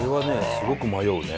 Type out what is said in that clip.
すごく迷うね。